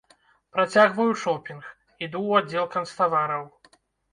Працягваю шопінг, іду ў аддзел канцтавараў.